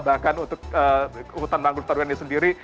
bahkan untuk hutan mangrove tersebut sendiri